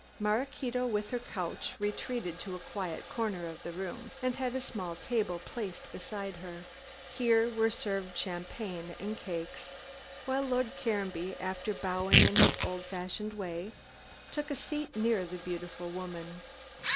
Maraquito with her couch retreated to a quiet corner of the room, and had a small table placed beside her. Here were served champagne and cakes, while Lord Caranby, after bowing in his old fashioned way, took a seat near the beautiful woman.